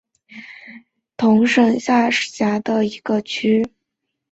达怀县是越南林同省下辖的一个县。